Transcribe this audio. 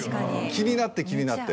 気になって気になって。